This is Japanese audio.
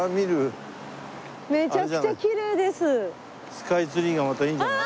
スカイツリーがまたいいんじゃない？